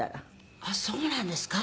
「あっそうなんですか？